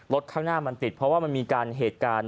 ข้างหน้ามันติดเพราะว่ามันมีการเหตุการณ์